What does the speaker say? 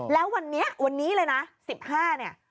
แล้ววันนี้วันนี้เลยนะ๑๕เนี่ย